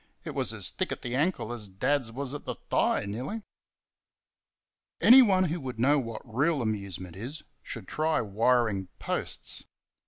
It was as thick at the ankle as Dad's was at the thigh, nearly. Anyone who would know what real amusement is should try wiring posts.